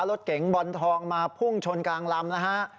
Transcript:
รถเก๋งบอลทองมาพุ่งชนกลางลำนะฮะ